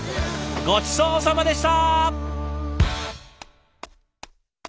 ごちそうさまでした！